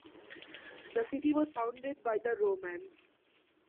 The city was founded by the Romans.